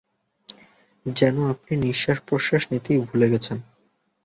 যেন আপনি নিঃশ্বাস-প্রশ্বাস নিতেই ভুলে গেছেন।